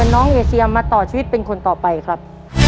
น้องเสียครับ